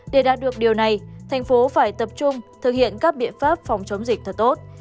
để đạt được điều này thành phố phải tập trung thực hiện các biện pháp phòng chống dịch thật tốt